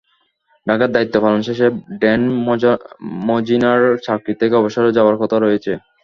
ঢাকায় দায়িত্ব পালন শেষে ড্যান মজীনার চাকরি থেকে অবসরে যাওয়ার কথা রয়েছে।